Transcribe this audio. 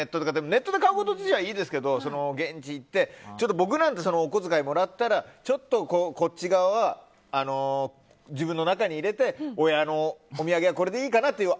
ネットで買うこと自体はいいですけど、現地に行って僕なんて、お小遣いもらったらちょっとこっち側は自分の中に入れて親のお土産はこれでいいかなという